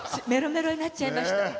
メロメロになっちゃいました。